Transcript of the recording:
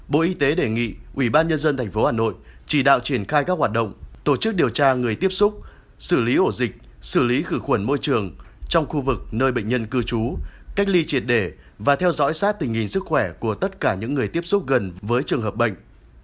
bộ y tế đề nghị ubnd tp hà nội chỉ đạo triển khai các hoạt động tổ chức điều tra người tiếp xúc xử lý ổ dịch xử lý khử khuẩn môi trường trong khu vực nơi bệnh nhân cư trú cách ly triệt để và theo dõi sát tình hình sức khỏe của tất cả những người tiếp xúc gần với trường hợp bệnh